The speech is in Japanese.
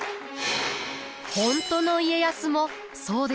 本当の家康もそうでした。